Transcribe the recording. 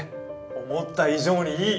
思った以上にいい！